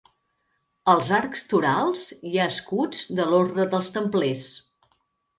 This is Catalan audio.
Als arcs torals hi ha escuts de l'orde dels templers.